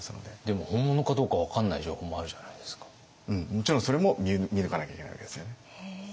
もちろんそれも見抜かなきゃいけないわけですよね。